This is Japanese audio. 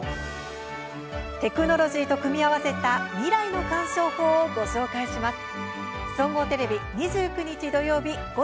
テクノロジーと組み合わせた未来の鑑賞法をご紹介します。